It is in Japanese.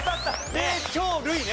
「霊長類」ね。